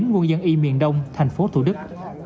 quân dân y miền đông thành phố thủ đức